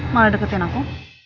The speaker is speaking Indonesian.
malah deketin aku